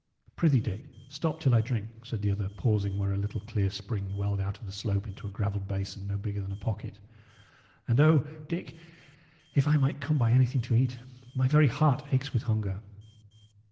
"Prithee, Dick, stop till I drink," said the other, pausing where a little clear spring welled out of the slope into a gravelled basin no bigger than a pocket. "And O, Dick, if I might come by anything to eat! my very heart aches with hunger."